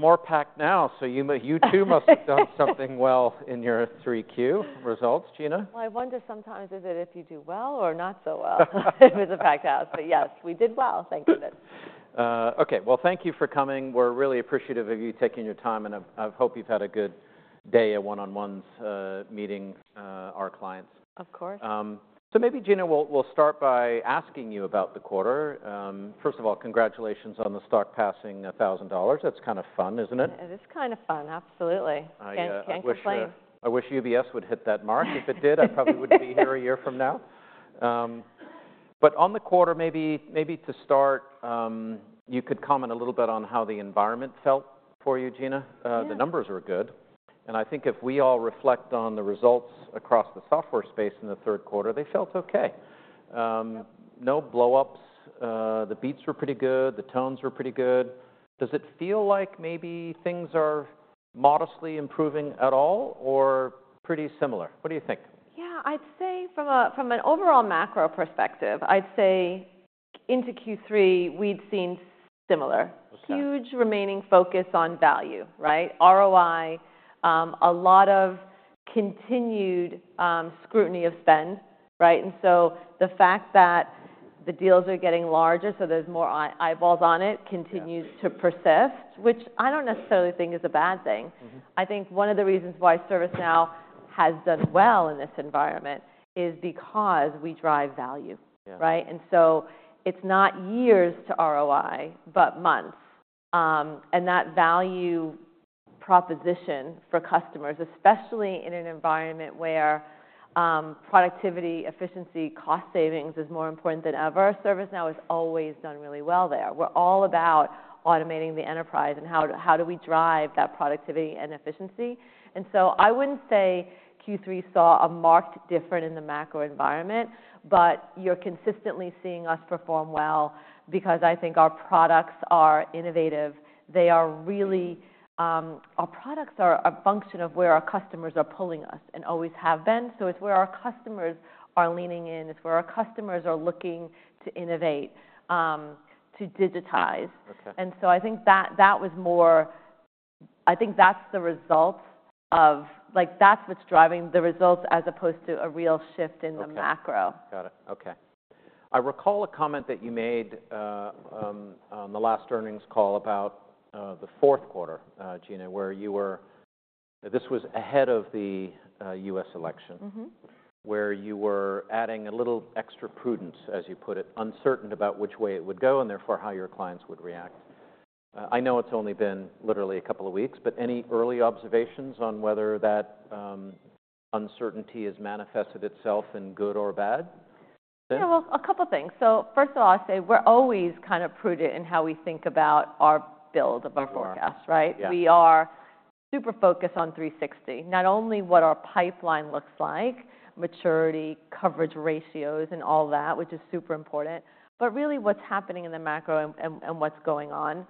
More packed now, so you two must have done something well in your 3Q results, Gina. I wonder sometimes, is it if you do well or not so well with the packed house? Yes, we did well. Thank goodness. Okay. Thank you for coming. We're really appreciative of you taking your time, and I hope you've had a good day at one-on-ones meeting our clients. Of course. So maybe, Gina, we'll start by asking you about the quarter. First of all, congratulations on the stock passing $1,000. That's kind of fun, isn't it? It is kind of fun. Absolutely. I wish UBS would hit that mark. If it did, I probably wouldn't be here a year from now, but on the quarter, maybe to start, you could comment a little bit on how the environment felt for you, Gina. The numbers were good, and I think if we all reflect on the results across the software space in the third quarter, they felt okay. No blow-ups. The beats were pretty good. The tones were pretty good. Does it feel like maybe things are modestly improving at all or pretty similar? What do you think? Yeah. I'd say from an overall macro perspective, I'd say into Q3, we'd seen similar. Huge remaining focus on value, right? ROI, a lot of continued scrutiny of spend, right? And so the fact that the deals are getting larger, so there's more eyeballs on it, continues to persist, which I don't necessarily think is a bad thing. I think one of the reasons why ServiceNow has done well in this environment is because we drive value, right? And so it's not years to ROI, but months. And that value proposition for customers, especially in an environment where productivity, efficiency, cost savings is more important than ever, ServiceNow has always done really well there. We're all about automating the enterprise and how do we drive that productivity and efficiency. And so I wouldn't say Q3 saw a marked difference in the macro environment, but you're consistently seeing us perform well because I think our products are innovative. Our products are a function of where our customers are pulling us and always have been. So it's where our customers are leaning in. It's where our customers are looking to innovate, to digitize. And so I think that's what's driving the results as opposed to a real shift in the macro. Got it. Okay. I recall a comment that you made on the last earnings call about the fourth quarter, Gina, where you were, this was ahead of the US election, where you were adding a little extra prudence, as you put it, uncertain about which way it would go and therefore how your clients would react. I know it's only been literally a couple of weeks, but any early observations on whether that uncertainty has manifested itself in good or bad? Yeah. Well, a couple of things. So first of all, I'd say we're always kind of prudent in how we think about our build of our forecast, right? We are super focused on 360, not only what our pipeline looks like, maturity, coverage ratios, and all that, which is super important, but really what's happening in the macro and what's going on.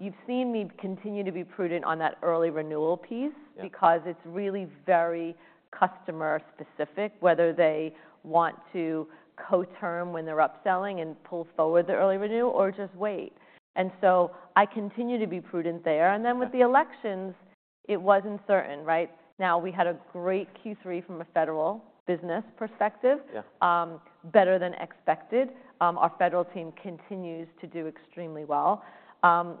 You've seen me continue to be prudent on that early renewal piece because it's really very customer-specific, whether they want to co-term when they're upselling and pull forward the early renewal or just wait. And so I continue to be prudent there. And then with the elections, it wasn't certain, right? Now we had a great Q3 from a federal business perspective, better than expected. Our federal team continues to do extremely well.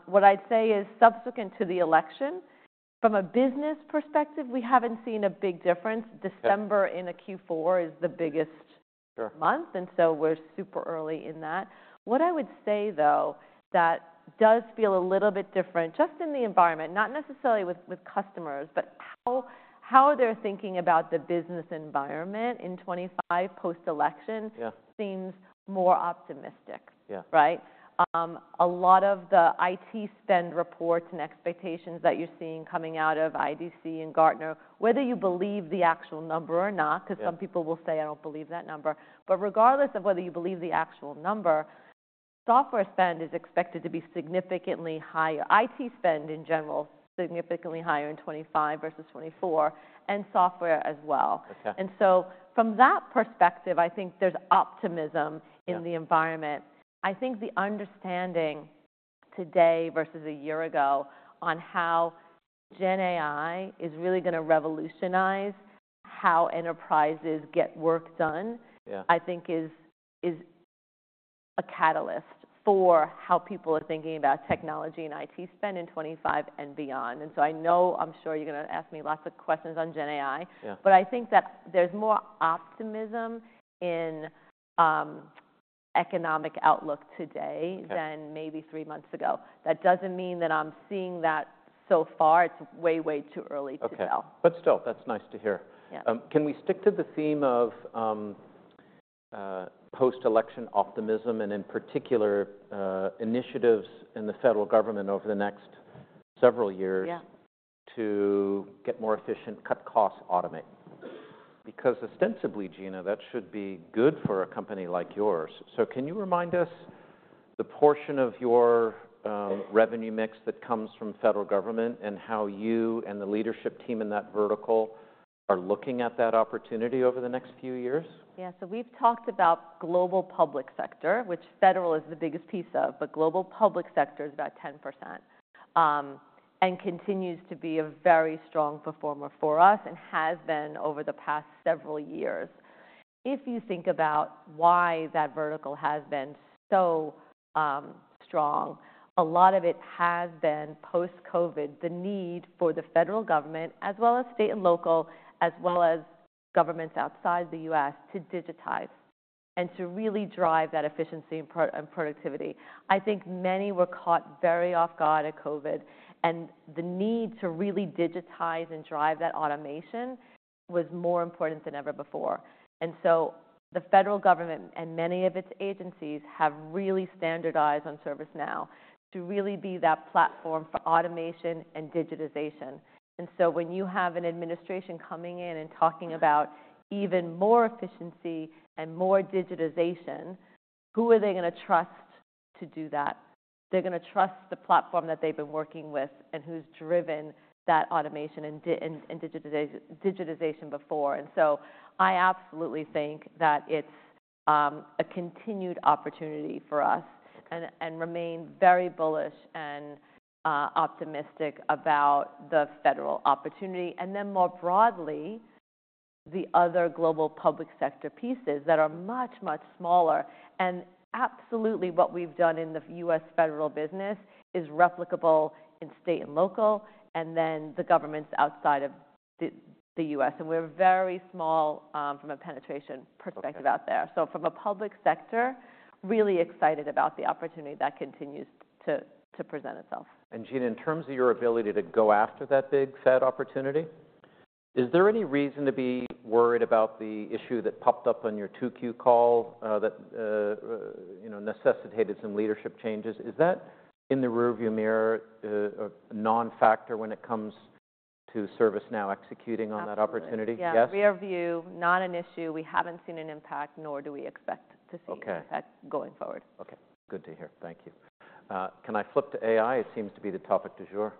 What I'd say is subsequent to the election, from a business perspective, we haven't seen a big difference. December in a Q4 is the biggest month, and so we're super early in that. What I would say, though, that does feel a little bit different just in the environment, not necessarily with customers, but how they're thinking about the business environment in 2025 post-election seems more optimistic, right? A lot of the IT spend reports and expectations that you're seeing coming out of IDC and Gartner, whether you believe the actual number or not, because some people will say, "I don't believe that number." But regardless of whether you believe the actual number, software spend is expected to be significantly higher. IT spend in general, significantly higher in 2025 versus 2024, and software as well. And so from that perspective, I think there's optimism in the environment. I think the understanding today versus a year ago on how GenAI is really going to revolutionize how enterprises get work done. I think is a catalyst for how people are thinking about technology and IT spend in '25 and beyond. And so I know I'm sure you're going to ask me lots of questions on GenAI, but I think that there's more optimism in the economic outlook today than maybe three months ago. That doesn't mean that I'm seeing that so far. It's way, way too early to tell. Okay. But still, that's nice to hear. Can we stick to the theme of post-election optimism and in particular initiatives in the federal government over the next several years to get more efficient, cut costs, automate? Because ostensibly, Gina, that should be good for a company like yours. So can you remind us the portion of your revenue mix that comes from federal government and how you and the leadership team in that vertical are looking at that opportunity over the next few years? Yeah. So we've talked about Global Public Sector, which federal is the biggest piece of, but Global Public Sector is about 10% and continues to be a very strong performer for us and has been over the past several years. If you think about why that vertical has been so strong, a lot of it has been post-COVID, the need for the federal government as well as state and local, as well as governments outside the U.S. to digitize and to really drive that efficiency and productivity. I think many were caught very off guard at COVID, and the need to really digitize and drive that automation was more important than ever before, and so the federal government and many of its agencies have really standardized on ServiceNow to really be that platform for automation and digitization. And so when you have an administration coming in and talking about even more efficiency and more digitization, who are they going to trust to do that? They're going to trust the platform that they've been working with and who's driven that automation and digitization before. And so I absolutely think that it's a continued opportunity for us and remain very bullish and optimistic about the federal opportunity. And then more broadly, the other Global Public Sector pieces that are much, much smaller. And absolutely what we've done in the U.S. federal business is replicable in state and local and then the governments outside of the U.S. And we're very small from a penetration perspective out there. So from a public sector, really excited about the opportunity that continues to present itself. Gina, in terms of your ability to go after that big fat opportunity, is there any reason to be worried about the issue that popped up on your 2Q call that necessitated some leadership changes? Is that in the rearview mirror, a non-factor when it comes to ServiceNow executing on that opportunity? Yes. Yes? Yeah. Rearview, not an issue. We haven't seen an impact, nor do we expect to see an impact going forward. Okay. Good to hear. Thank you. Can I flip to AI? It seems to be the topic du jour.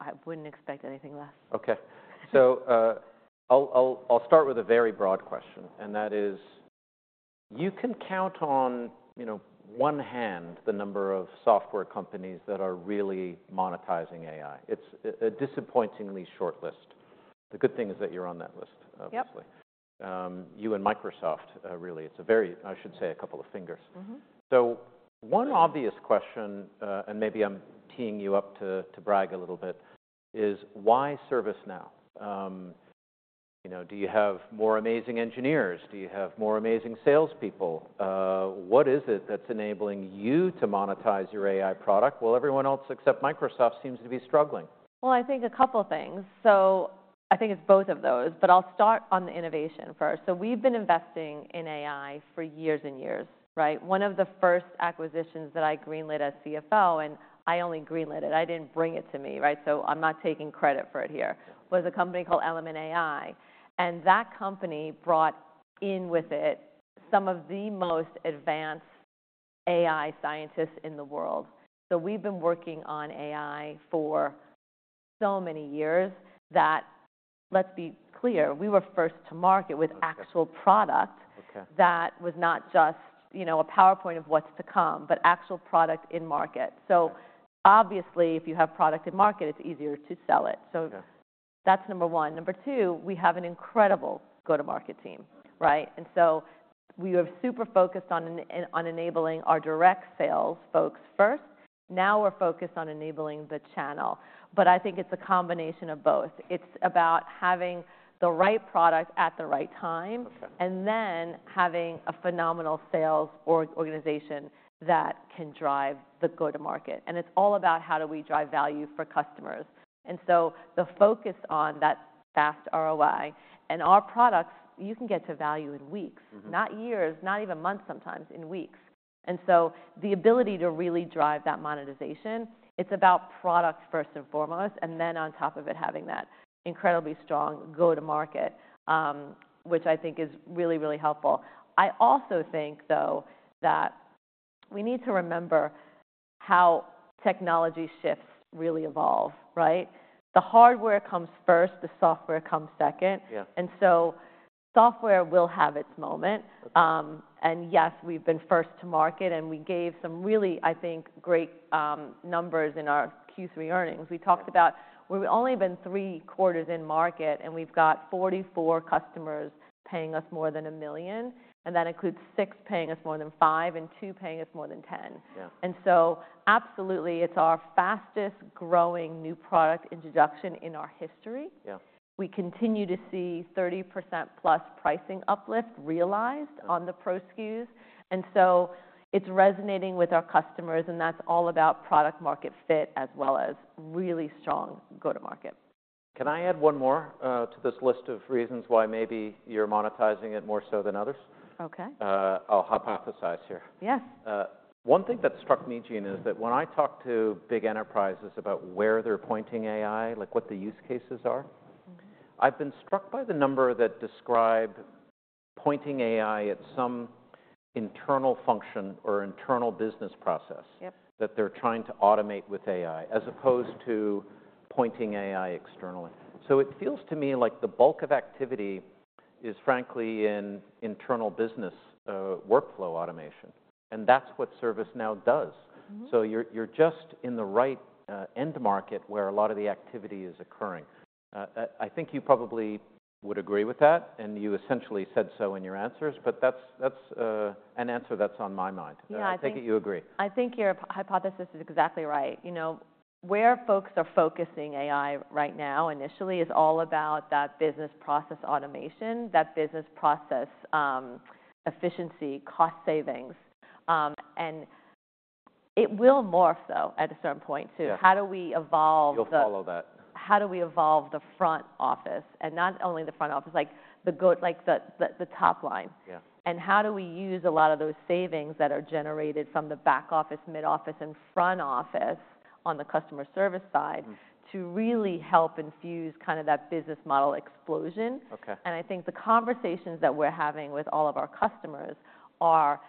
I wouldn't expect anything less. Okay. So I'll start with a very broad question, and that is, you can count on one hand the number of software companies that are really monetizing AI. It's a disappointingly short list. The good thing is that you're on that list, obviously. You and Microsoft, really. It's a very, I should say, a couple of fingers. So one obvious question, and maybe I'm teeing you up to brag a little bit, is why ServiceNow? Do you have more amazing engineers? Do you have more amazing salespeople? What is it that's enabling you to monetize your AI product while everyone else except Microsoft seems to be struggling? I think a couple of things. I think it's both of those, but I'll start on the innovation first. We've been investing in AI for years and years, right? One of the first acquisitions that I greenlit as CFO, and I only greenlit it. I didn't bring it to me, right? I'm not taking credit for it here, was a company called Element AI. That company brought in with it some of the most advanced AI scientists in the world. We've been working on AI for so many years that let's be clear, we were first to market with actual product that was not just a PowerPoint of what's to come, but actual product in market. Obviously, if you have product in market, it's easier to sell it. That's number one. Number two, we have an incredible go-to-market team, right? And so we were super focused on enabling our direct sales folks first. Now we're focused on enabling the channel. But I think it's a combination of both. It's about having the right product at the right time and then having a phenomenal sales organization that can drive the go-to-market. And it's all about how do we drive value for customers. And so the focus on that fast ROI and our products, you can get to value in weeks, not years, not even months sometimes, in weeks. And so the ability to really drive that monetization, it's about product first and foremost, and then on top of it, having that incredibly strong go-to-market, which I think is really, really helpful. I also think, though, that we need to remember how technology shifts really evolve, right? The hardware comes first. The software comes second. And so software will have its moment. Yes, we've been first to market, and we gave some really, I think, great numbers in our Q3 earnings. We talked about we've only been three quarters in market, and we've got 44 customers paying us more than $1 million. That includes six paying us more than $5 million and two paying us more than $10 million. So absolutely, it's our fastest growing new product introduction in our history. We continue to see 30% plus pricing uplift realized on the Pro Plus. It's resonating with our customers, and that's all about product-market fit as well as really strong go-to-market. Can I add one more to this list of reasons why maybe you're monetizing it more so than others? Okay. I'll hypothesize here. Yes. One thing that struck me, Gina, is that when I talk to big enterprises about where they're pointing AI, like what the use cases are, I've been struck by the number that describe pointing AI at some internal function or internal business process that they're trying to automate with AI as opposed to pointing AI externally, so it feels to me like the bulk of activity is, frankly, in internal business workflow automation, and that's what ServiceNow does, so you're just in the right end market where a lot of the activity is occurring. I think you probably would agree with that, and you essentially said so in your answers, but that's an answer that's on my mind. I think you agree. I think your hypothesis is exactly right. Where folks are focusing AI right now initially is all about that business process automation, that business process efficiency, cost savings, and it will morph, though, at a certain point too. How do we evolve? You'll follow that. How do we evolve the front office and not only the front office, like the top line? And how do we use a lot of those savings that are generated from the back office, mid-office, and front office on the customer service side to really help infuse kind of that business model explosion? And I think the conversations that we're having with all of our customers are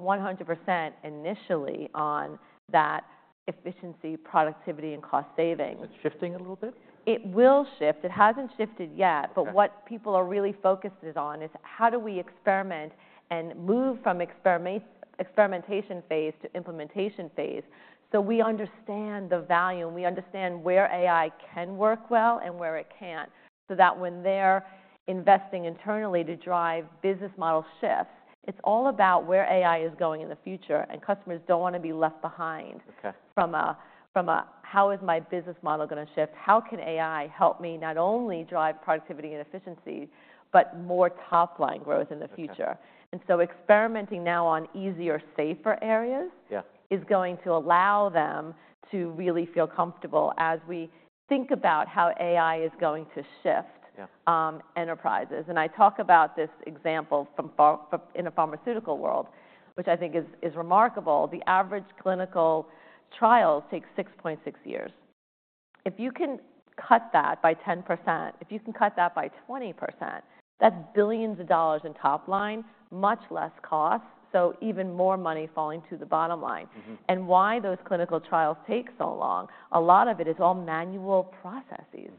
100% initially on that efficiency, productivity, and cost savings. It's shifting a little bit? It will shift. It hasn't shifted yet. But what people are really focused on is how do we experiment and move from experimentation phase to implementation phase so we understand the value and we understand where AI can work well and where it can't so that when they're investing internally to drive business model shifts, it's all about where AI is going in the future, and customers don't want to be left behind from a, "How is my business model going to shift? How can AI help me not only drive productivity and efficiency, but more top-line growth in the future?" And so experimenting now on easier, safer areas is going to allow them to really feel comfortable as we think about how AI is going to shift enterprises. And I talk about this example in the pharmaceutical world, which I think is remarkable. The average clinical trials take 6.6 years. If you can cut that by 10%, if you can cut that by 20%, that's billions of dollars in top line, much less cost, so even more money falling to the bottom line, and why those clinical trials take so long, a lot of it is all manual processes.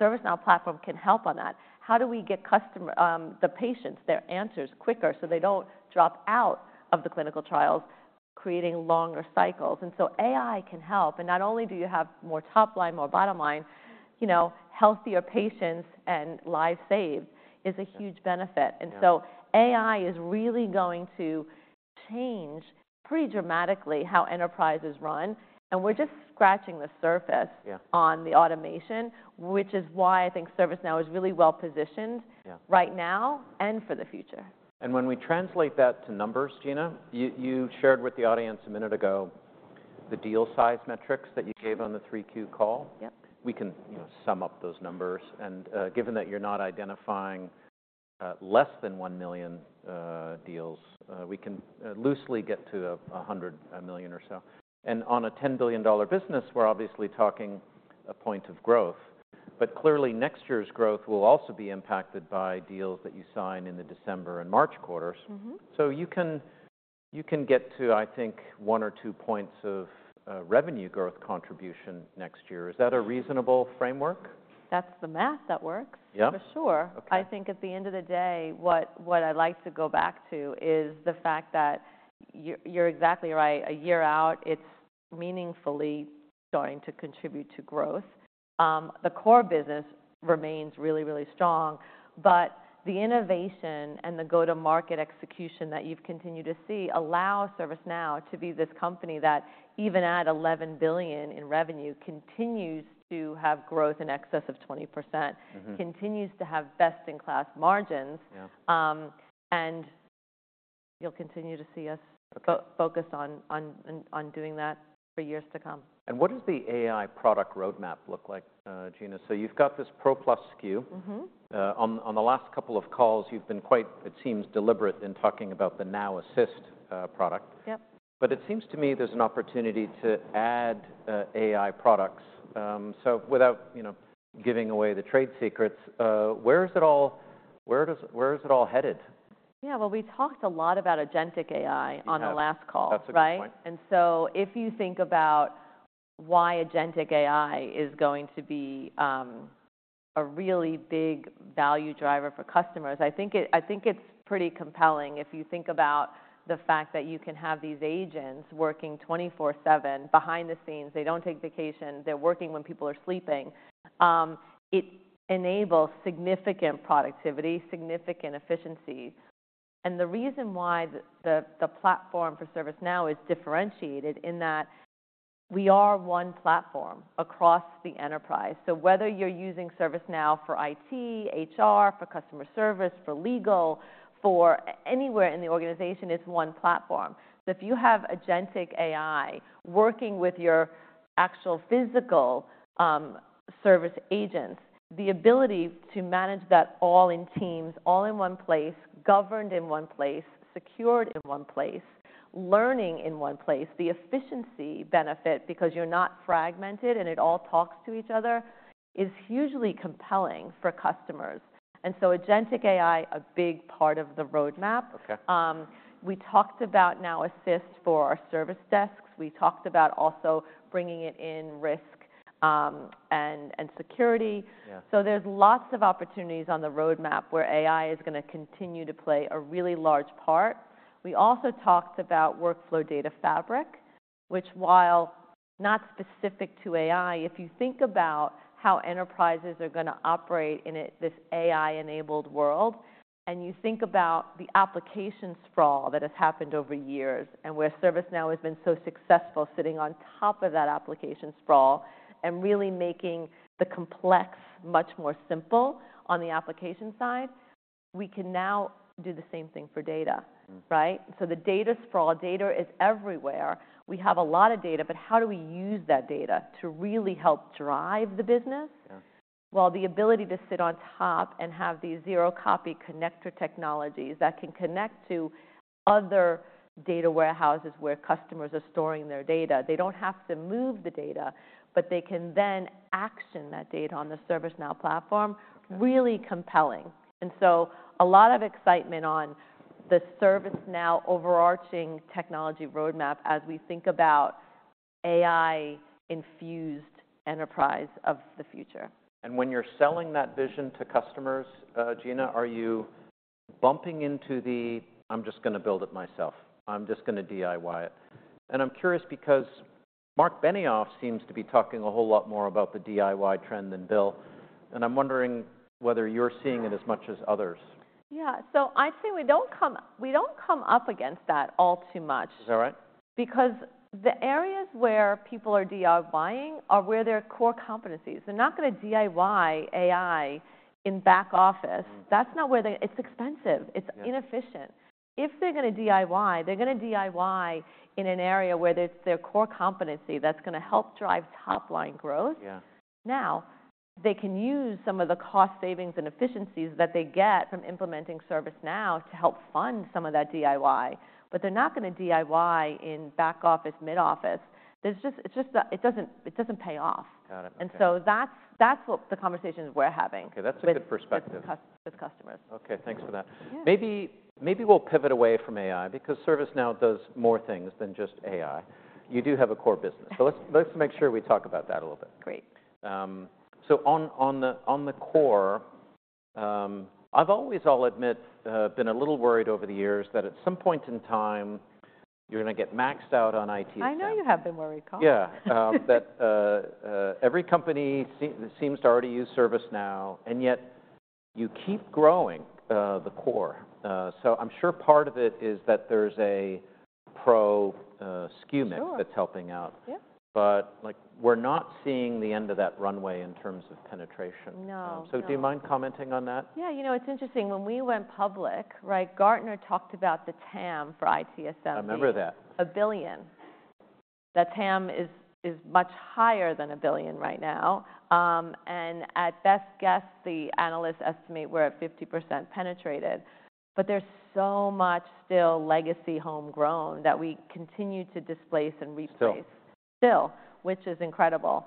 ServiceNow platform can help on that. How do we get customers, the patients, their answers quicker so they don't drop out of the clinical trials, creating longer cycles, and so AI can help. And not only do you have more top line, more bottom line, healthier patients and lives saved is a huge benefit, and so AI is really going to change pretty dramatically how enterprises run, and we're just scratching the surface on the automation, which is why I think ServiceNow is really well positioned right now and for the future. And when we translate that to numbers, Gina, you shared with the audience a minute ago the deal size metrics that you gave on the 3Q call. We can sum up those numbers. And given that you're not identifying less than one million deals, we can loosely get to 100 million or so. And on a $10 billion business, we're obviously talking a point of growth. But clearly, next year's growth will also be impacted by deals that you sign in the December and March quarters. So you can get to, I think, one or two points of revenue growth contribution next year. Is that a reasonable framework? That's the math that works, for sure. I think at the end of the day, what I'd like to go back to is the fact that you're exactly right. A year out, it's meaningfully starting to contribute to growth. The core business remains really, really strong. But the innovation and the go-to-market execution that you've continued to see allow ServiceNow to be this company that even at $11 billion in revenue continues to have growth in excess of 20%, continues to have best-in-class margins. And you'll continue to see us focused on doing that for years to come. What does the AI product roadmap look like, Gina? You've got this Pro Plus SKU. On the last couple of calls, you've been quite, it seems, deliberate in talking about the Now Assist product. But it seems to me there's an opportunity to add AI products. Without giving away the trade secrets, where is it all headed? Yeah. Well, we talked a lot about agentic AI on the last call, right? And so if you think about why agentic AI is going to be a really big value driver for customers, I think it's pretty compelling. If you think about the fact that you can have these agents working 24/7 behind the scenes, they don't take vacation. They're working when people are sleeping. It enables significant productivity, significant efficiency. And the reason why the platform for ServiceNow is differentiated in that we are one platform across the enterprise. So whether you're using ServiceNow for IT, HR, for customer service, for legal, for anywhere in the organization, it's one platform. So if you have agentic AI working with your actual physical service agents, the ability to manage that all in teams, all in one place, governed in one place, secured in one place, learning in one place, the efficiency benefit because you're not fragmented and it all talks to each other is hugely compelling for customers. And so agentic AI, a big part of the roadmap. We talked about Now Assist for our service desks. We talked about also bringing it in Risk and Security. So there's lots of opportunities on the roadmap where AI is going to continue to play a really large part. We also talked about Workflow Data Fabric, which, while not specific to AI, if you think about how enterprises are going to operate in this AI-enabled world and you think about the application sprawl that has happened over years and where ServiceNow has been so successful sitting on top of that application sprawl and really making the complex much more simple on the application side, we can now do the same thing for data, right? So the data sprawl, data is everywhere. We have a lot of data, but how do we use that data to really help drive the business? Well, the ability to sit on top and have these zero-copy connector technologies that can connect to other data warehouses where customers are storing their data. They don't have to move the data, but they can then action that data on the ServiceNow platform, really compelling. A lot of excitement on the ServiceNow overarching technology roadmap as we think about AI-infused enterprise of the future. And when you're selling that vision to customers, Gina, are you bumping into the, "I'm just going to build it myself. I'm just going to DIY it"? And I'm curious because Mark Benioff seems to be talking a whole lot more about the DIY trend than Bill. And I'm wondering whether you're seeing it as much as others. Yeah. So I'd say we don't come up against that all too much. Is that right? Because the areas where people are DIYing are where their core competencies. They're not going to DIY AI in back office. That's not where it's expensive. It's inefficient. If they're going to DIY, they're going to DIY in an area where it's their core competency that's going to help drive top-line growth. Now, they can use some of the cost savings and efficiencies that they get from implementing ServiceNow to help fund some of that DIY. But they're not going to DIY in back office, mid-office. It doesn't pay off. And so that's what the conversations we're having. Okay. That's a good perspective. With customers. Okay. Thanks for that. Maybe we'll pivot away from AI because ServiceNow does more things than just AI. You do have a core business. But let's make sure we talk about that a little bit. Great. So on the core, I've always, I'll admit, been a little worried over the years that at some point in time, you're going to get maxed out on IT stuff. I know you have been worried, Karl. Yeah, that every company seems to already use ServiceNow, and yet you keep growing the core. So I'm sure part of it is that there's a pro SKU mix that's helping out. But we're not seeing the end of that runway in terms of penetration. No. So do you mind commenting on that? Yeah. You know, it's interesting. When we went public, Gartner talked about the TAM for ITSM. I remember that. A billion. That TAM is much higher than a billion right now. And at best guess, the analysts estimate we're at 50% penetrated. But there's so much still legacy homegrown that we continue to displace and replace. Still. Still, which is incredible.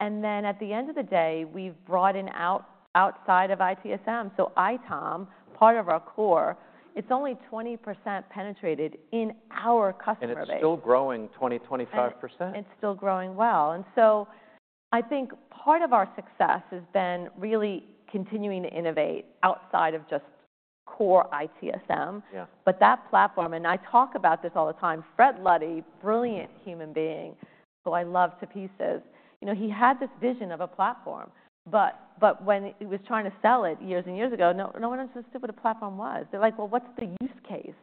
And then at the end of the day, we've brought in outside of ITSM. So ITOM, part of our core, it's only 20% penetrated in our customer base. It's still growing 20%-25%. It's still growing well, and so I think part of our success has been really continuing to innovate outside of just core ITSM. But that platform, and I talk about this all the time, Fred Luddy, brilliant human being, who I love to pieces, he had this vision of a platform. But when he was trying to sell it years and years ago, no one understood what a platform was. They're like, "Well, what's the use case?"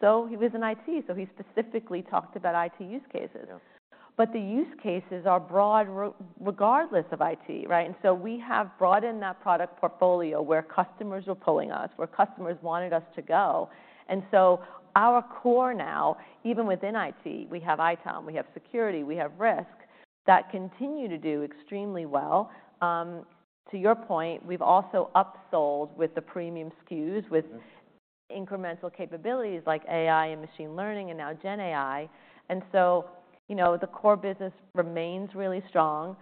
So he was in IT. So he specifically talked about IT use cases. But the use cases are broad regardless of IT, right? And so we have brought in that product portfolio where customers were pulling us, where customers wanted us to go. And so our core now, even within IT, we have ITOM. We have security. We have Risk that continue to do extremely well. To your point, we've also upsold with the premium SKUs with incremental capabilities like AI and machine learning and now GenAI. And so the core business remains really strong.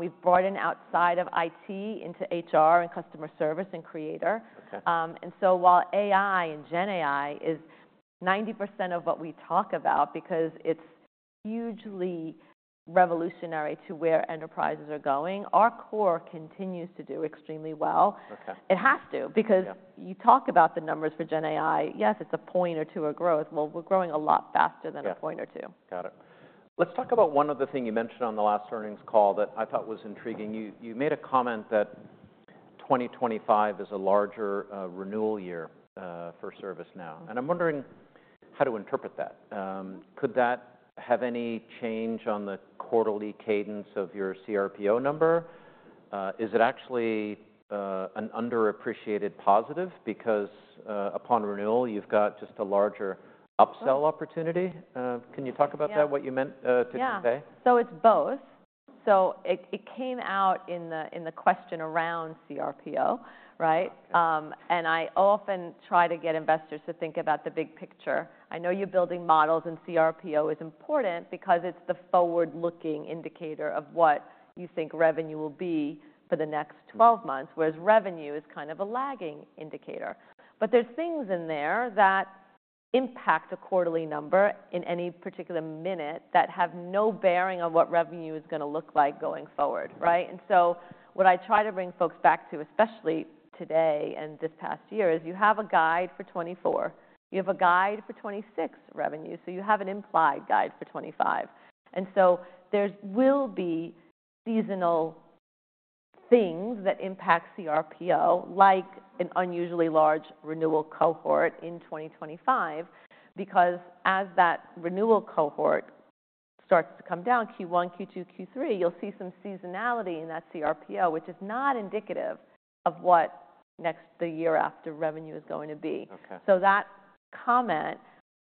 We've brought in outside of IT into HR and customer service and Creator. And so while AI and GenAI is 90% of what we talk about because it's hugely revolutionary to where enterprises are going, our core continues to do extremely well. It has to because you talk about the numbers for GenAI. Yes, it's a point or two of growth. Well, we're growing a lot faster than a point or two. Got it. Let's talk about one other thing you mentioned on the last earnings call that I thought was intriguing. You made a comment that 2025 is a larger renewal year for ServiceNow. And I'm wondering how to interpret that. Could that have any change on the quarterly cadence of your cRPO number? Is it actually an underappreciated positive because upon renewal, you've got just a larger upsell opportunity? Can you talk about that, what you meant today? Yeah. So it's both. So it came out in the question around cRPO, right? And I often try to get investors to think about the big picture. I know you're building models and cRPO is important because it's the forward-looking indicator of what you think revenue will be for the next 12 months, whereas revenue is kind of a lagging indicator. But there's things in there that impact a quarterly number in any particular minute that have no bearing on what revenue is going to look like going forward, right? And so what I try to bring folks back to, especially today and this past year, is you have a guide for 2024. You have a guide for 2026 revenue. So you have an implied guide for 2025. And so there will be seasonal things that impact cRPO, like an unusually large renewal cohort in 2025 because as that renewal cohort starts to come down, Q1, Q2, Q3, you'll see some seasonality in that cRPO, which is not indicative of what next the year after revenue is going to be. So that comment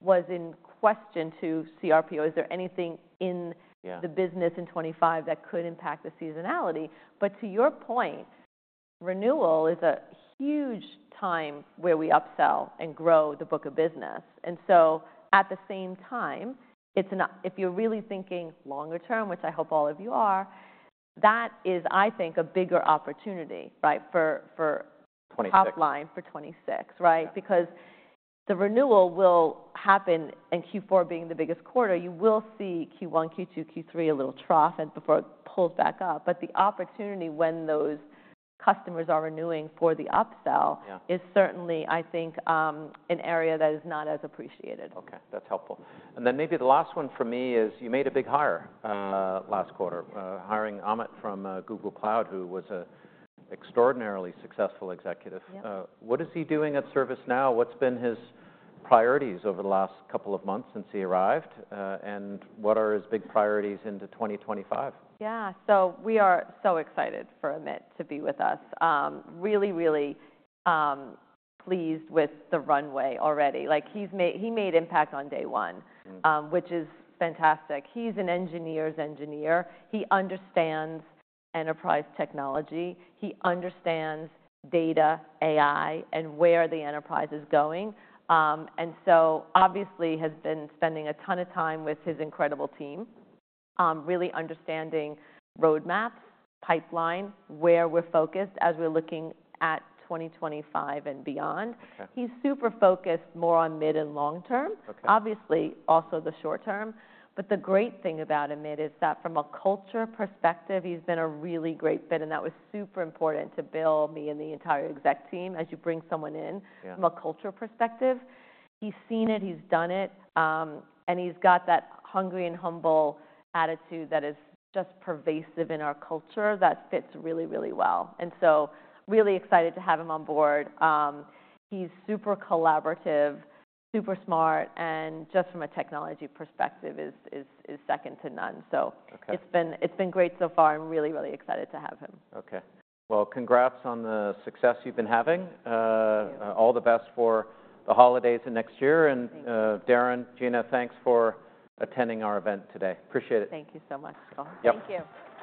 was in question to cRPO. Is there anything in the business in 2025 that could impact the seasonality? But to your point, renewal is a huge time where we upsell and grow the book of business. And so at the same time, if you're really thinking longer term, which I hope all of you are, that is, I think, a bigger opportunity, right, for top line for 2026, right? Because the renewal will happen in Q4 being the biggest quarter. You will see Q1, Q2, Q3 a little trough before it pulls back up. But the opportunity when those customers are renewing for the upsell is certainly, I think, an area that is not as appreciated. Okay. That's helpful. And then maybe the last one for me is you made a big hire last quarter, hiring Amit from Google Cloud, who was an extraordinarily successful executive. What is he doing at ServiceNow? What's been his priorities over the last couple of months since he arrived? And what are his big priorities into 2025? Yeah, so we are so excited for Amit to be with us. Really, really pleased with the runway already. He made impact on day one, which is fantastic. He's an engineer's engineer. He understands enterprise technology. He understands data, AI, and where the enterprise is going, and so obviously has been spending a ton of time with his incredible team, really understanding roadmaps, pipeline, where we're focused as we're looking at 2025 and beyond. He's super focused more on mid and long term, obviously also the short term, but the great thing about Amit is that from a culture perspective, he's been a really great fit, and that was super important to Bill, me, and the entire exec team as you bring someone in from a culture perspective. He's seen it. He's done it. He's got that hungry and humble attitude that is just pervasive in our culture that fits really, really well. Really excited to have him on board. He's super collaborative, super smart, and just from a technology perspective is second to none. It's been great so far. I'm really, really excited to have him. Okay. Well, congrats on the success you've been having. All the best for the holidays and next year. And Darren, Gina, thanks for attending our event today. Appreciate it. Thank you so much, Karl. Thank you.